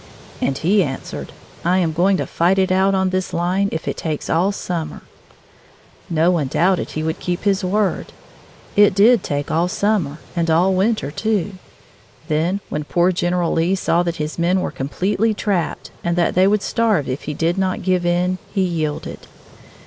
And he answered: "I am going to fight it out on this line if it takes all summer!" No one doubted he would keep his word. It did take all summer and all winter, too. Then, when poor General Lee saw that his men were completely trapped, and that they would starve if he did not give in, he yielded.